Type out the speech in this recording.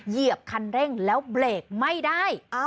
เหยียบคันเร่งแล้วเบรกไม่ได้